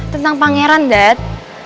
tentang pangeran dad